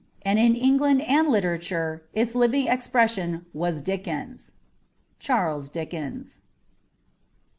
And in England and literature its living expression was Dickens. ' Charles Di(Ji^s.''